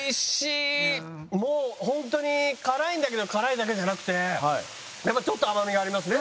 もうホントに辛いんだけど辛いだけじゃなくてやっぱりちょっと甘みがありますね